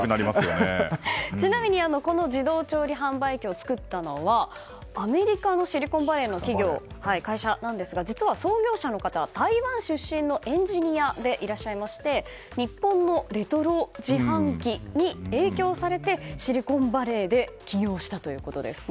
ちなみにこの自動調理販売機を作ったのはアメリカのシリコンバレーの会社なんですが実は、創業者の方は台湾出身のエンジニアでいらっしゃいまして日本のレトロ自販機に影響されてシリコンバレーで起業したということです。